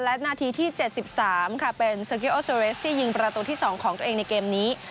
และนาทีที่เจ็ดสิบสามค่ะเป็นที่ยิงประตูที่สองของตัวเองในเกมนี้